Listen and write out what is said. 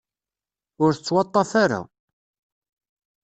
Ur tettwaḍḍaf ara.